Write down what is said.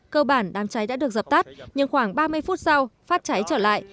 cơ bản đám cháy đã được dập tắt nhưng khoảng ba mươi phút sau phát cháy trở lại